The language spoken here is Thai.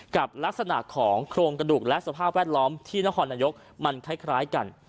กับลักษณะของโครงกระดูกและสภาพแวดล้อมที่นครนายกมันคล้ายกัน